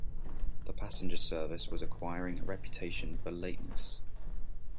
The passenger service was acquiring a reputation for lateness.